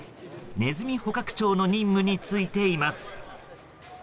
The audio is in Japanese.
ネズミ捕獲長の任務に就いています。